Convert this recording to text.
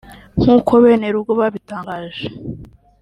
nkuko bene urugo babitangaje